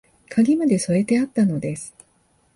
鍵まで添えてあったのです